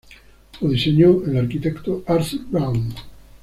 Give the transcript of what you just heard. Lo diseñó el arquitecto Arthur Brown.